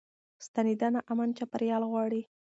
ستنېدنه امن چاپيريال غواړي.